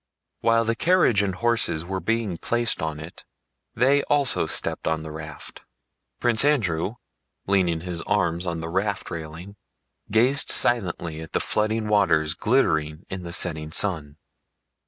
While the carriage and horses were being placed on it, they also stepped on the raft. Prince Andrew, leaning his arms on the raft railing, gazed silently at the flooding waters glittering in the setting sun.